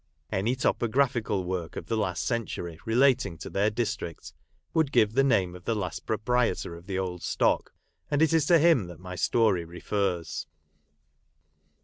Any topographical work of the last century relating to their district would give the name of the last proprietor of the old stock, and it is to him that my story refers.